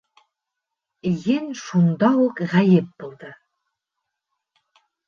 Ен шунда уҡ ғәйеп булды.